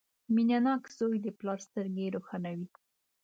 • مینهناک زوی د پلار سترګې روښانوي.